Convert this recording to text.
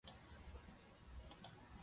familia nyingi sana zilipoteza ndugu zao